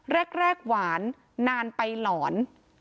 แรกหวานนานไปหลอน